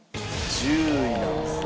１０位なんですね。